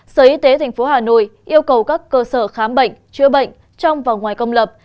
sở y tế tp hà nội yêu cầu các cơ sở khám bệnh chữa bệnh trong và ngoài công lập